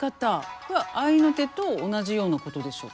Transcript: これは合いの手と同じようなことでしょうかね。